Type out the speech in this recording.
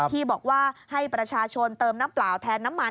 ที่บอกว่าให้ประชาชนเติมน้ำเปล่าแทนน้ำมัน